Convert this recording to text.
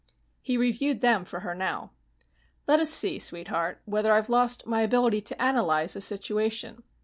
He reviewed them for her now. "Let us see, sweetheart, whether I've lost my ability to analyze a situation.